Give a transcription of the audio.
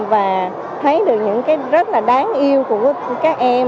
và thấy được những cái rất là đáng yêu của các em